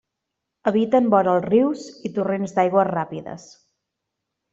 Habiten vora els rius i torrents d'aigües ràpides.